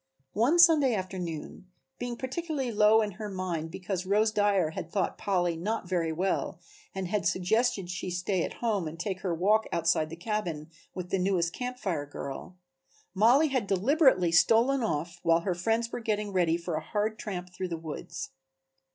One Saturday afternoon, being particularly low in her mind because Rose Dyer had thought Polly not very well and had suggested that she stay at home and take her walk outside the cabin with the newest Camp Fire girl, Mollie had deliberately stolen off while her friends were getting ready for a hard tramp through the woods.